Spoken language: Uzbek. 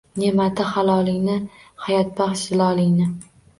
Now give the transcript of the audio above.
Neʼmati halolingni, hayotbaxsh zilolingni